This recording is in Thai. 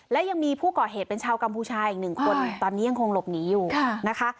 และยังมีผู้ก่อเหตุเป็นชาวกัมพูชาอีกหนึ่งคนตอนนี้ยังคงหลบหนีอยู่นะคะ